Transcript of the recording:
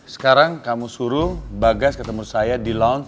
sekarang kamu suruh bagas ketemu saya di lounge